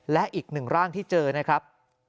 และอีกหนึ่งร่างที่เจอนะครับ